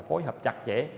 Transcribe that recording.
phối hợp chặt chẽ